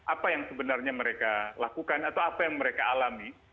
apa yang sebenarnya mereka lakukan atau apa yang mereka alami